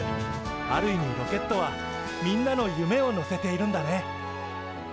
ある意味ロケットはみんなの夢を乗せているんだね。